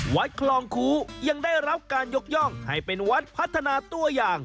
วัดคลองคูยังได้รับการยกย่องให้เป็นวัดพัฒนาตัวอย่าง